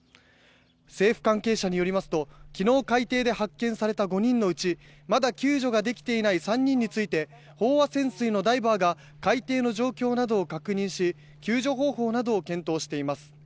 政府関係者によりますと昨日、海底で発見された５人のうちまだ救助ができていない３人について飽和潜水のダイバーが海底の状況などを確認し救助方法などを検討しています。